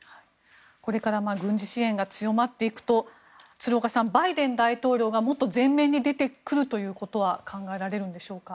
これから軍事支援が強まっていくと鶴岡さん、バイデン大統領はもっと前面に出てくるということは考えられるんでしょうか。